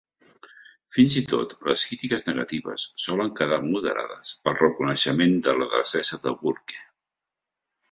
Fins i tot les critiques negatives solen quedar moderades pel reconeixement de la destresa de Burke.